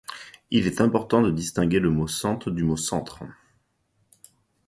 il est important de distinguer le mot sente du mot centre